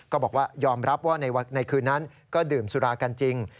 ก็บอกว่ายอมรับว่าในคืนนั้นก็ดื่มสุรากันจริง